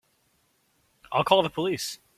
I'll call the police.